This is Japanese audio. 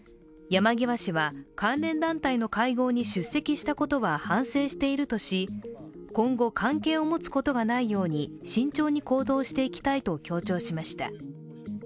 山際氏は、関連団体の会合に出席したことは反省しているとし、今後関係を持つことがないように慎重に行動していきたいと強調しました。